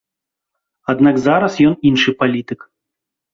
Аднак зараз ён іншы палітык.